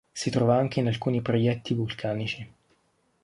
Si trova anche in alcuni proietti vulcanici.